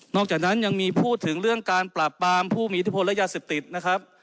นอกจากนั้นยังมีพูดถึงเรื่องการปราบปามผู้มีทฤพธิระยะสิบติดนะครับ